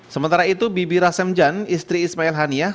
sementara itu bibi rasemjan istri ismail haniah